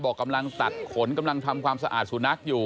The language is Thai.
บอกกำลังตัดขนกำลังทำความสะอาดสุนัขอยู่